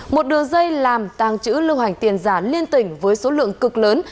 một đường dây làm tàng trữ lưu hành tiền giả liên tỉnh với số lượng cực lớn